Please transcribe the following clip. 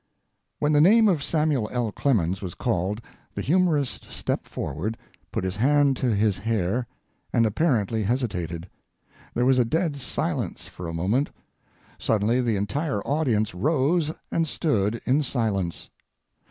When the name of Samuel L. Clemens was called the humorist stepped forward, put his hand to his hair, and apparently hesitated. There was a dead silence for a moment. Suddenly the entire audience rose and stood in silence.